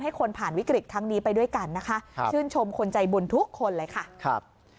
คนผ่านวิกฤตทั้งนี้ไปด้วยกันนะคะชื่นชมคนใจบุญทุกคนเลยค่ะครับ